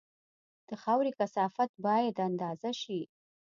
د خاورې کثافت باید اندازه شي